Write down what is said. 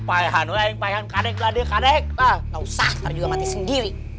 paham yang payah kadek kadek tak usah juga mati sendiri